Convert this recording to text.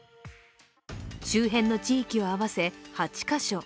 周辺の地域を合わせ８か所。